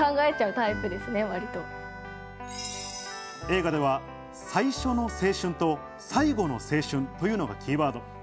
映画では最初の青春と最後の青春というのがキーワード。